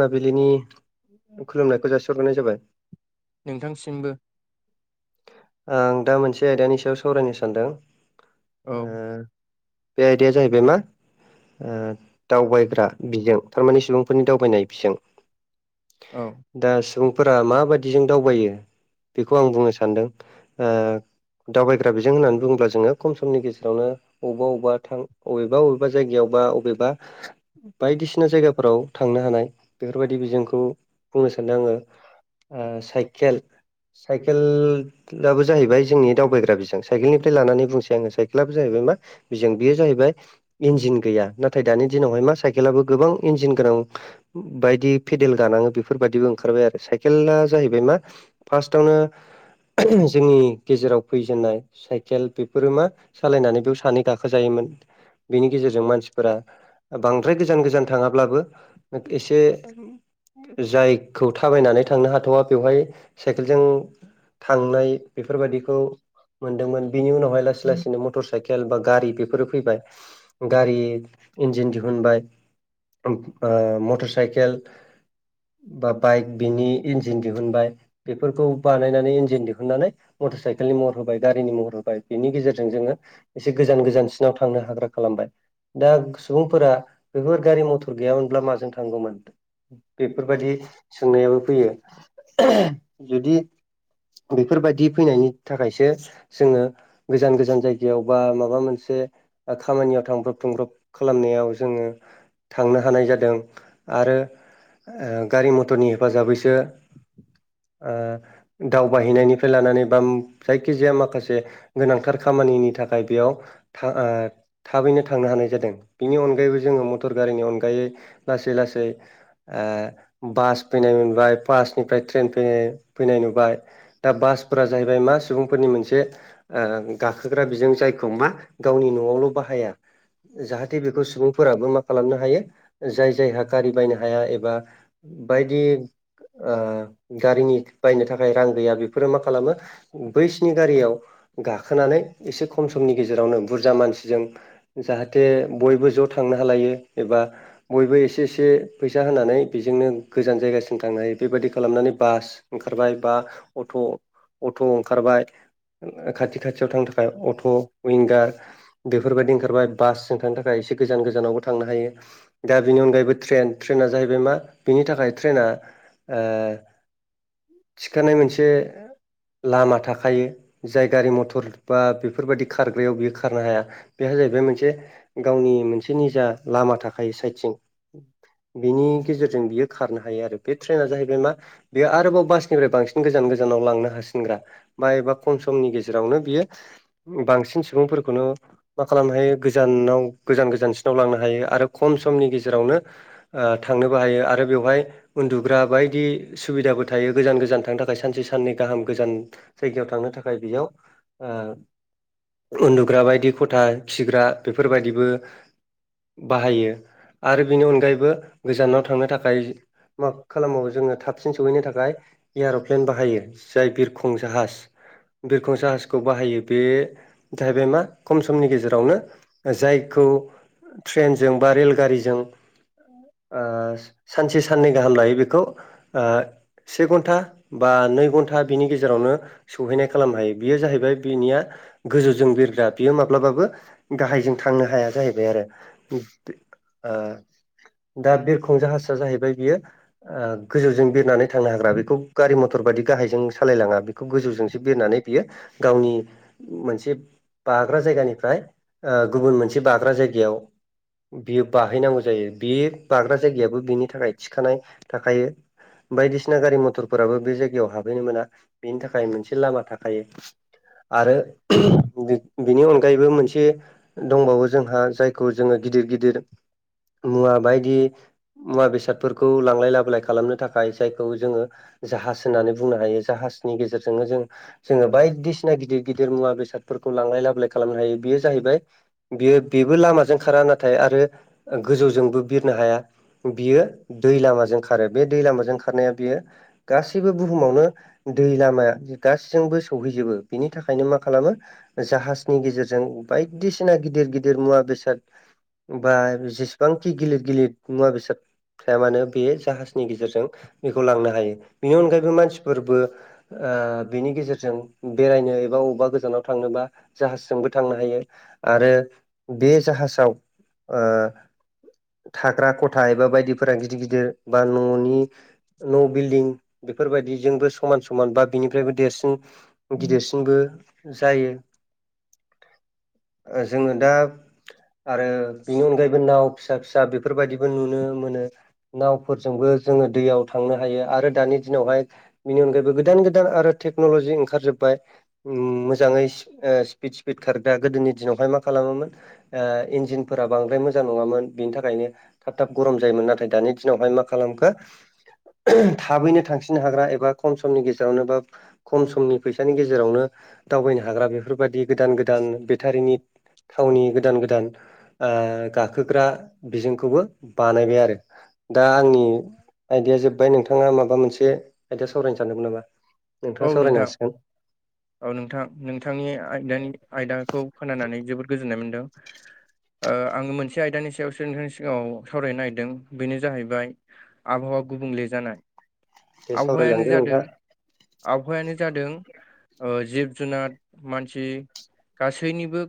मोनाबिलिनि खुलुमनायखौ जासिहरगोरनाय जाबाय। नोंथां सिमबो आं दा मोनसे आयदानि सायाव सावरायनो सानदों। औ ओ बे दिया जाहैबाय मा। ओ दावबायग्रा बिजों थारमाने सुबुंफोरनि दावबायनाय बिजों। औ दा सुबुंफोरा माबायदिजों दावबायो? बेखौ आं बुंनो सानदों। ओ दावबायग्रा बिजों होननानै बुङोब्ला जोङो खम समनि गेजेरावनो बबेबाबेबा थां अबेबा बबेबा जायगायाव बा बबेबा बायदिसिना जायगाफोराव थांनो हानाय बेफोरबायदि बिजोंखौ बुंनो सानदों आङो। ओ साइकेल साइकेल दाबो जाहैबाय जोंनि दावबायग्रा बिजों। साइकेलनिफ्राय लानानै बुंसै आङो साइकेल आबो जाहैबाय मा बिजों। बेयो जाहैबाय आय इजन गैया नाथाय दानि दिनावहाय मा साइकेलाबो गोबां इन्जिन गोनां बायदि पेडेल गानाङो बेफोरबायाददिबो ओंखारबाय आरो। साइकेला जाहैबाय मा फार्स्टावनो जोंनि गेजेराव फैजेननाय साइकेल बेफोरो मा सालायनानै बेयाव सानै गाखोजायोमोन। बेनि गेजेरजों मानसिफोरा ओ बांद्राय गोजान गोजान थाङाब्लाबो ओ एसे जायखौ थाबायनानै थांनो हाथ'वा बेवहाय साइकेलजों थांनाय बेफोरबायदिखौ मोनदोंमोन बेनि उनावहाय लासै लासैनो मटर साइकेल बा गारि बेफोरो फैबाय गारि इन्जिन दिहुनबाय ओम ओ मटर साइकेल बा बाइक बिनि इन्जिन दिहुनबाय बेफोरखौ बानायनानै जिन दिहुननानै मटर साइकेलनि महर होबाय गारिनि महर होबाय बेनि गेजेरजों जोङो एसे गोजान गोजान सिन थांनो हाग्रा खालामबाय। दा सुबुंफोरा बेफोर गारि मथर गैयामोनब्ला माजों थांगौमोन? बेफोरबादि सोंनायाबो फैयो। जुदि बेफोरबायदि फैनायनि थाखायसो जोङो गोजान गोजान जायगायाव बा माबा मोनसे ओ खामानियाव थांब्रब थुंब्रब खालामनायाव जोङो। थांनो हानाय जादों। आरो ओ गारि मथरनि हेफाजाबैसो ओ उम दावबाय हैनायनिफ्राय लानानै बा जायखिजाया माखासे गोनांथार खामानिनि थाखाय बेयाव था ओ थाबैनो थांनो हानाय जादों बिनि अनगायैबो जोङो मटर गारिनि अनगायै लासै लासै सै ओ बास फैनाय मोनबाय बासनिफ्राय ट्रेन फैनाय- फैनाय नुबाय। दा बासफोरा जाहैबाय मा सुबुंफोरनि मोनसे ओ गाखोग्रा बिजों जायखौबा गावनि न'आवल' बाहाया। जाहाथे बेखौ सुबुंफोराबो मा खालामनो हायो। जाय जायहा गारि बायनो हाया एबा बायदि ओ गारिनि बायनो थाखाय रां गैया बेफोरो माखालामो बैसिनि गारियाव गाखोनानै एसे खम समनि गेजेरावनो बुरजा मानसिजों जाहाथे बयबो ज' थांनो हालायो। एबा बयबो एसे एसे फैसा होनानै बेजोंनो गोजान जायगासिम थांनो हायो। बेबायदि खालामनानै बास ओंखारबाय बा अट' अट' ओंखारबाय। खाथि खाथियाव थांनो थाखाय अट' अइंगार बेफोरबायदि ओंखारबाय बासजों थांनो थाखाय। एसे गोजान गोजानावबो थांनो हायो दा बिनि अनगायैबो ट्रेन ट्रेना जाहैबाय मा बिनि थाखाय ट्रेना ओ थिखानाय मोनसे लामा थाखायो। जाय गारि मथर बा बेफोरबायदि खारग्रायाव बियो खारनो हाया। बेहाय जाहैबाय मोनसे गावनि मोनसे निजा लामा थाखायो साइद थिं बेनि गेजेरजों बियो खारनो हायो आरो। बे ट्रेना जाहैबाय मा बेयो आरोबाव बासनिफ्राय बांस गोजान गोजानाव लांनो हासिनग्रा बा एबा खम समनि गेजेरावनो बियो बांसिन सुबुं फोरखौनो मा खालामनो हायो, गोजानाव गोजान- गोजानसिनाव लांनो हायो। आरो खम समनि गेजेरावनो ओ थांनोबो हायो आरो बेवहाय उन्दुग्रा बायदि सुबिदाबो थायो गोजान गोजान थांनो थाखाय सानसे साननै गाहाम गोजान जायगायाव थांनो थाखाय बेयाव ओ- उन्दुग्रा बायदि खथा खिग्रा बेफोरबायदिबो बाहायो। आरो बेनि अनगायैबो गोजानाव थांनो थाखाय मा- खालामबावो जोङो थाबसिन सहैनो थाखाय एयार'प्लेन बाहायो जाय बिरखं जाहाज बिरखं साहाजखौ बाहायो बे जाहैबाय मा खम समनि गेजेरावनो जायखौ ट्रेनजों बा रेल गारिजों ओ सानसे साननै गाहाम लायो बेखौ ओ से घन्टा बा नै घन्टा बिनि गेजेरावनो सौहैनाय खालामनो हायो। बेयो जाहैबाय बिनिया गोजौजों बिरग्रा बियो माब्लाबो गाहायजों थांनो हाया जाहैबाय आरो। ओ दा बिरखं जाहाजआ जाहैबाय बियो गोजौजों बिरनानै थांनो हाग्रा बेखौ गारि मथर बायदि गाहायजों सालायलाङा बेखौ गोजौजोंसो बेरनानै बियो गावनि मोनसे बाग्रा जायगानिफ्राय गुबुन मोनसे बाग्रा जायगायाव बियो बाहैनांगौ जायो। बे बाग्रा जायगायाबो बिनि थाखाय थिखानाय थाखायो। बायदिसिना गारि मथरफोराबो बे जायगायाव हाबहैनो मोना बेनि थाखाय मोनसे लामा थाखायो। आरो बिनि अनगायैबो मोनसे दंबावो जोंहा जायखौ जोङो गिदिर गिदिर मुवा बायदि मुवा बेसादफोरखौ लांलाय लाबोलाय खालामनो थाखाय जायखौ जोङो जाहाज होननानै बुंनो हायो जाहाजनि गेजेरजोंनो जों जोङो बायदिसिना गिदिर गिदिर मुवा बेसादफोरखौ खौ लांलाय खालामनो हायो बेयो जाहैबाय बियो बेबो लामाजों खारा नाथाय आरो गौजौ जौजोंबो बिरनो हाया बियो दै लामाजों खारो। बे दै लामाजों खारनाया बियो गासैबो बुहुमावनो दै लामाया गासैजोंबो सौहैजोबो बिनि थाखायनो मा खालामो जाहाजनि गेजेरजों बायदिसिना गिदिर गिदिर मुवा बेसाद बा जेसेबांखि गिलिर गिलिर नुवा बेसाद फाया मानो बे जाहाजनि गेजेरजों बेखौ लांनो हायो। बेनि अनगायैबो मानसिफोरबो बेनि गेजेरजों बेरायनो एबा अबेबा गोजानाव थांनोबा जाहाजजोंबो थांनो हायो। आरो बे जाहाजाव ओ थाग्रा ख था एबा बायदिफोरा गिदिर गिदिर बा न'नि न' बिल्दिं बेफोरबायदिजोंबो समान समान बा बिनिफ्रायबो देरसिन गिदिरसिनबो जायो। जोङो दा आरो बिनि अनगायैबो नाव फिसा फिसा बेफोरबायदिबो नुनो मोनो। नावफोरजोंबो जोङो दैयाव थांनो हायो आरो दानि दिनावहाय बिनि अनगायैबो गोदान गोदान आरो टेक्नलजि ओंखारजोबबाय मोजाङै स्पिड स्पिड खारग्रा गोदोनि दिनावहाय मा खालामोमोन इन्जिनफोरा बांद्राय मोजां नङामोन बे बिनि थाखायनो थाब थाब गरम जायोमोन नाथाय दानि दिनावहाय मा खालामो थाबैनो थां बांसिन हाग्रा एबा खम समनि गेजेरावनो बा खम समनि फैसानि गेजेरावनो दावबायनो हाग्रा बेफोरबायदि गोदान गोदान बेटारिनि थावनि गोदान गोदान गाखोग्रा बिजोंखौबो बानायबाय आरो दा आंनि आयदाया जोब्बाय नोंथाङा माबा मोनसे आयदाया सावरायनो सानदोंमोन नामा? औ नोंथाङा नोंथां सावरायनांसिगोन। औ नोंथां नोंथांनि आयदानि आयदाखौ खोनानानै जोबोद गोजोननाय मोनदों। आङो मोनसे आयदानि सायाव सोलोंथांनि सिगाङाव सावरायनो नागिरदों बेनो जाहैबाय आबहा आवा गुबुंले जानाय। दे आबहावायानो सावरायलांदो जादों नोंथाङा आबहावायानो जादों जि जुनाद मानसि गासैनिबो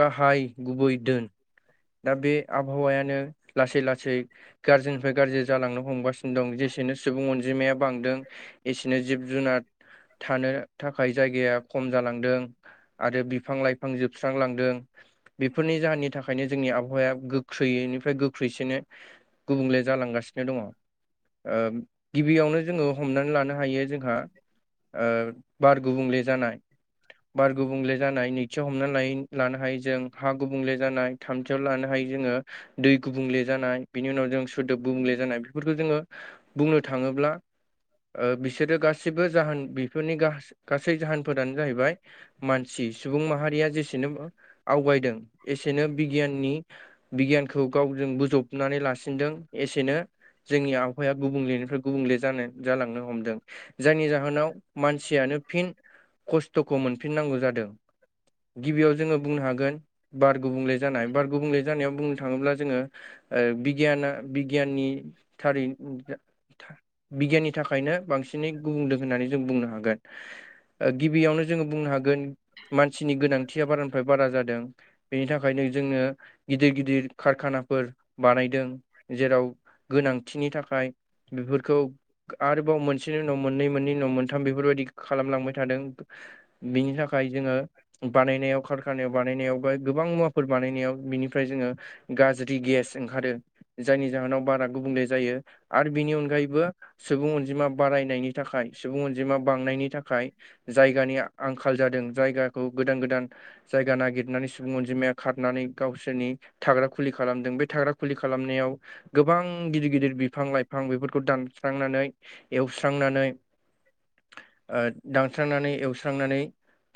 गाहाय गुबै दोन दा बे आबहावायानो लासै लासै गाज्रिनिफ्राय गाज्रि जालांनो हमगासिनो दं ज एसेनो सुबुं अनजिमाया बांदों एसेनो जिब जुनार [inaudible] थानो थाखाय जायगाया खम जालांदों आरो बिफां लाइफां जोबस्रांलांदों। बेफोरनि जाहोननि थाखायनो जोंनि आबहावाया गोख्रैयैनिफ्राय गोख्रैसिनो गुबुंले जालांगासिनो दङ। ओ गिबियावनो जोङो हमनानै लानो हायो जोंहा ओ बार गुबुंले जानाय बार गुबुंले जानाय नैथियाव हमना लानो हायो जों हा गुबुंले जानाय थामथियाव लानो हायो। जोङो दै गुबुंले जानाय बेनि उनाव जों सोदोब गुबुंले जानाय बेफोरखौ जोङो बुंनो थाङोब्ला ओ बिसोरो गासिबो जाहोन बेफोरनि गासै जाहोनफोरानो जाहैबाय मानसि सुबुं माहारिया जेसेनो आवगायदों एसेनो बिगियाननि बिगियानखौ गावजों बोजबनानै लासिनदों एसेनो जोंनि आबहाया गुबुंलेनिफ्राय गुबुंले जानो जालांनो हमदों जायनि जाहोनाव मानसियानो फिन खस्थ'खौ मोनफिननांगौ जादों गिबियाव जोङो बुंनो हागोन बार गुबुंले जानाय बार गुबुंले जानायाव बुंनो थाङोब्ला जोङो बिगियाना बिगियाननि थारै बिगियाननि थाखायनो बांसिनै गुबुंदों होननानै जों बुंनो हागोन। गिबियावनो जोङो बुंनो हागोन मानसिनि गोनांथिया बारानिफ्राय बारा जादों बेनि थाखायनो जोंनो गिदिर गिदिर कारखानाफोर बानायदों जेराव गोनांथिनि थाखाय बेफोरखौ आरोबाव मोनसे मोनसेनि उनाव मोननै मोननै उनाव मोनथाम बेफोरबायदि खालामलांबाय थादों बेनि थाखाय थाखाय जोङो बानायनायाव खारखानायाव बानायनायाव गोबां मुवाफोर बानायनायाव बिनिफ्राय जोङो गाज्रि गेस ओंखारो जायनि जाहोनाव बारा गुबुंले जायो आरो बिनि अनगायैबो सुबुं अनजिमा बारायनायनि थाखाय सुबुं अनजिमा बांनायनि थाखाय जायगानि आंखाल जादों जायगाखौ गोदान गोदान जायगा नागिरनानै सुबुं अनजिमाया खारनानै गावसोरनि थाग्रा खुलि खालामदों बे खाग्रा खुलि खालामनायाव गोबां गिदिर गिदिर बिफां लाइफां बेफोरखौ दानस्रांनानै एवस्रांनानै दानस्रांनानै एवस्रांनानै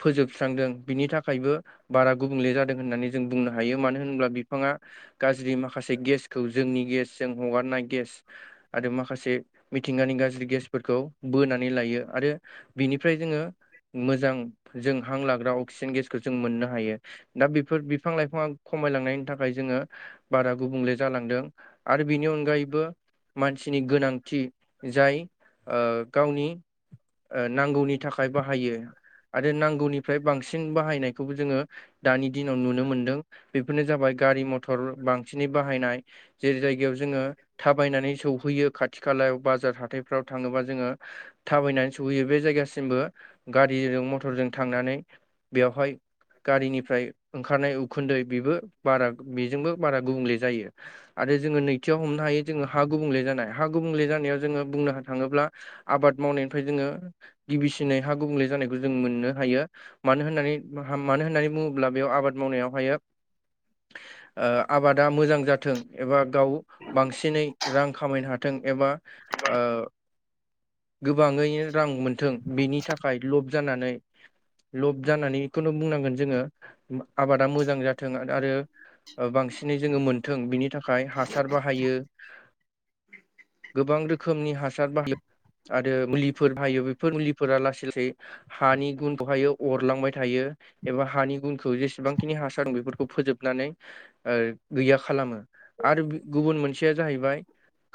फोजोब सुस्रांदों बिनि थाखायबो बारा गुबुंले जादों होननानै जों बुंनो हायो मानो होनोब्ला बिफाङा गाज्रि माखासे गेसखौ जोंनि गेसजों हगारनाय गेस आरो माखासे मिथिंगानि गाज्रि फोरखौ बोनानै लायो आरो बिनिफ्राय जोङो मोजां जों हां लाग्रा अक्सिजेन गेसखौ जों मोननो हायो दा बेफोर बिफां लाइफाङा खमायलांनायनि थाखाय जों जो बारा गुबुंले जालांदों आरो बिनि अनगायैबो मानसिनि गोनांथि जाय गावनि नांगौनि नि थाखाय बाहायो। आरो नांगौनिफ्राय बांसिन बाहाय गारि मथर बांसि नि बाहायनाय जेरै जायगायाव जोङो थाबायनानै सहैयो खाथि खालायाव बाजार हा फाव थाङोबा जोङो थाबायनानै सहैयो बे जायगासिमबो गारिजों मथरजों थांनानै बेवहाय गारिनिफ्राय ओंखारनाय उखुन्दै बेबो बारा बेजोंबो बारा गुबुंले जायो आरो आरो जोङो नैथियाव हमनो हायो जोङो हा गुबुंले जानाय हा गुबुंले जानायाव जोङो बुंनो थाङोब्ला आबाद मावनायनिफ्राय जोङो गिबिसिनै हा गुबुंले जानायखौ जों मोननो हायो मानो होननानै मानो होननानै बुङोब्ला बेयाव आबाद मावनायावहायो। [inaudible] आबादा मोजां जाथों एबा गाव बांसिनै रां खामायनो हाथों एबा आ गोबाङैनो रां मोनथों बेनि थाखाय थाखाय लब जानानै लब जानानै बेखौनो बुंनांगोन जोङो आबादा मोजां जाथों आरो बांसिनै जोङो मोनथों बिनि थाखाय हासार बाहायो। गोबां रोखोमनि हासार बा- आरो मुलिफोर बाहायो बेफोर मुलिफोरा लासै लासै हानि गुनखौहायो अरलांबाय थायो। एबा हानि गुनखौ जेसेबांखिनि हासार बेफोरखौ फोजोबनानै गैया खालामो। आरो गुबुन मोनसेया जाहैबाय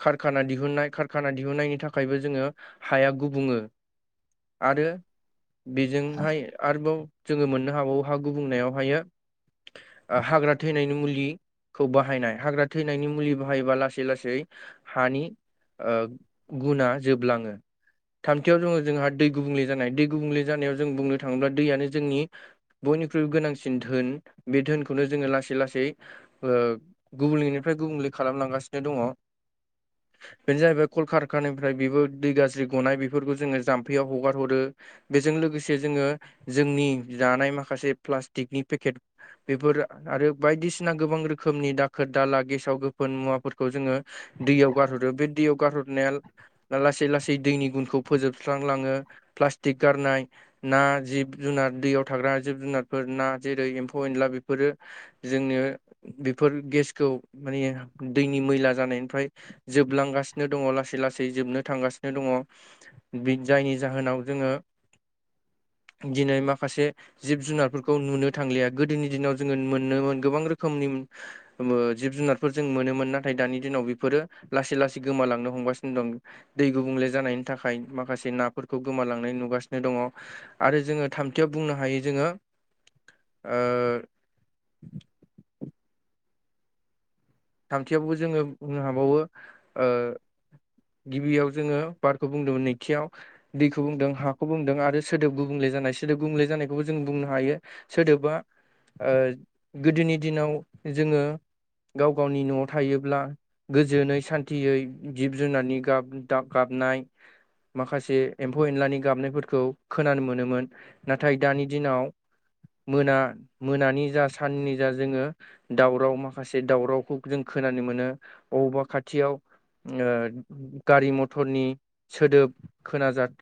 कारखाना दिहुननाय कारखाना दिहुननायनि थाखायबो जोङो हाया गुबुङो आरो बेजोंहाय आरोबाव जोङो मोननो हाबावो हा गुबुंनायावहायो हाग्रा थैनायनि मुलि खौ बाहायनाय। हाग्रा थैनायनि मुलि बाहायोबा लासै लासै हानि ओ गुना जोबलाङो। थामथियाव जोङो जोंहा दै गुबुंले जानाय। दै गुबुंले जानायाव जों बुंनो थाङोब्ला दैयानो जोंनि बुं- बयनिख्रइ गोनांसिन धोन। बे धोनखौनो जोङो लासै लासै ओ गुबुंलेनिफ्राय गुबुंले गुबुंले खालामलांगासिनो दङ। बेनो जाहैबाय कल कार- खानानिफ्राय बेबो दै गाज्रि गनाय बेफोरखौ जोङो जाम्फैयाव हगार हरो। बेजों लोगोसे जोङो जोंनि जानाय माखासे प्लास्टिकनि पेकेट बेफोर आरो बायदिसिना गोबां। रोखोमनि दाखोर दाला गेसाव गोफोन मुवाफोरखौ जोङो दैयाव गारहरो बे दैयाव गारहरनाया ना लासै लासै दैनि गुनखौ फोजोबस्रांलाङो। प्लास्टिक गारनाय ना जिब- जुनार दैयाव थाग्रा जिब जुनारफोर ना जेरै एम्फौ एनला बेफोरो जोंनो बेफोर गेसखौ माने दैनि मैला जानायनिफ्राय जोबलांगासिनो दङ लासै लासै। गासै जोबनो थांगासिनो दङ बि जायनि जाहोनाव जोङो दिनै माखासे जिब-जुनारफोरखौ नुनो थांलिया। गोदोनि दिनाव जोङो मोनोमोन गोबां रोखोमनि ओ जिब-जुनारफोर जों मोनोमोन नाथाय दानि दिनाव बेफोरो लासै लासै गोमालांनो हमगासिनो। [unintelligible] दै गुबुंले जानायनि थाखाय माखासे नाफोरखौ गोमालांनाय नुगासिनो दङ। आरो जोङो थामथियाव बुंनो हायो जोङो ओ। थामथियावबो जोङो बुंनो हाबावो ओ गिबियाव जोङो बारखौ बुंदोंमोन नैथियाव दैखौ बुंदों हाखौ बुंदों आरो सोदोबखौ गुबुंले जानाय सोदोब गुबुंले जानायखौबो जों बुंनो हायो। सोदोबा ओ गोदोनि दिनाव जोङो गाव- गावनि न'आव थायोब्ला गोजोनै सान्थियै जिब-जुनारनि गाब- गाबनाय। माखासे एम्फौ एनलानि गाबनायफोरखौ खोनानो मोनोमोन। नाथाय दानि दिनाव मोना मोनानि जा साननि जा जोङो दावराव माखासे दावराव खौ जों खोनानो मोनो बबेवबा खाथियाव ओ गारि-मथरनि सोदोब खोनाजा-